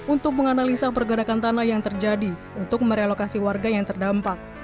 untuk menganalisa pergerakan tanah yang terjadi untuk merelokasi warga yang terdampak